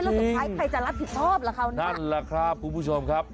แล้วสุดท้ายใครจะรับผิดชอบล่ะเขานะนั่นแหละครับคุณผู้ชมครับ